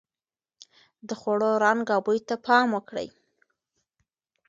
د خوړو رنګ او بوی ته پام وکړئ.